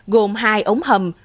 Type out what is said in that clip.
gồm hai ống hầm